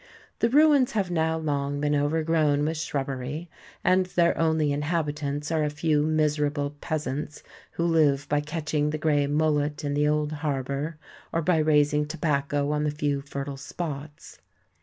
The ruins have now long been overgrown with shrubbery, and their only inhabitants are a few miserable peasants who live by catching the grey mullet THE TEMPLE OF DIANA 123 in the old harbour, or by raising tobacco on the few fertile spots.